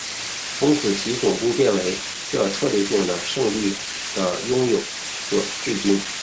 从此其总部变成了这策略性的圣地的拥有者至今。